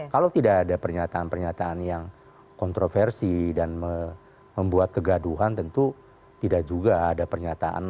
kalau tidak ada pernyataan pernyataan yang kontroversi dan membuat kegaduhan tentu tidak juga ada pernyataan